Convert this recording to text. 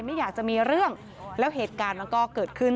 ไม่อยากจะมีเรื่องแล้วเหตุการณ์มันก็เกิดขึ้น